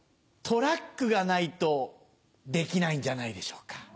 トラックがないとできないんじゃないでしょうか。